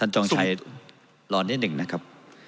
จองใช้ร้อนหนึ่งนะครับ